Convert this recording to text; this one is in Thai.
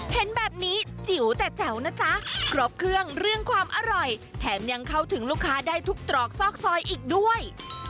เห็นแบบนี้จิ๋วแต่แจ๋วนะจ๊ะครบเครื่องเรื่องความอร่อยแถมยังเข้าถึงลูกค้าได้ทุกตรอกซอกซอยอีกด้วย